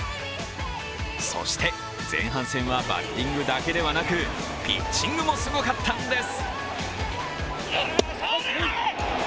そして前半戦はバッティングだけではなくピッチングもすごかったんです！